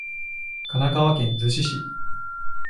神奈川県逗子市